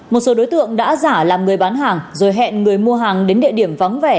một số đối tượng đã giả làm người bán hàng rồi hẹn người mua hàng đến địa điểm vắng vẻ